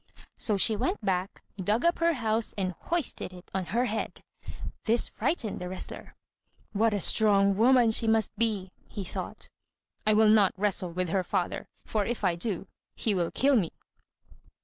So she went back, dug up her house, and hoisted it on her head. This frightened the wrestler. "What a strong woman she must be!" he thought. "I will not wrestle with her father; for if I do, he will kill me."